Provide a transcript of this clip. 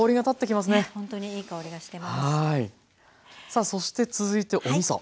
さあそして続いておみそ。